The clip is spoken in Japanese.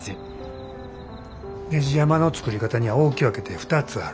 ねじ山の作り方には大き分けて２つある。